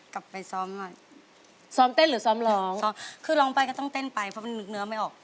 กลับไปซ้อมอ่ะซ้อมเต้นหรือซ้อมร้องคือร้องไปก็ต้องเต้นไปเพราะมันนึกเนื้อไม่ออก